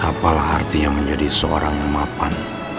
kepala hatinya menjadi seorang yang mapan